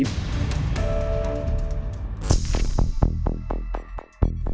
pasal garet sering jadi asal